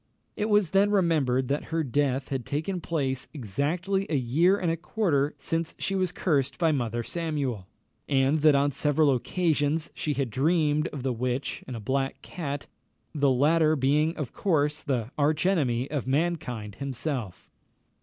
It was then remembered that her death had taken place exactly a year and a quarter since she was cursed by Mother Samuel, and that on several occasions she had dreamed of the witch and a black cat, the latter being of course the arch enemy of mankind himself.